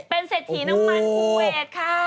เป็นเศรษฐีน้ำมันภูเวทค่ะ